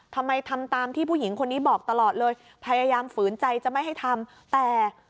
ทำไมทำตามที่ผู้หญิงคนนี้บอกตลอดเลยพยายามฝืนใจจะไม่ให้ทำแต่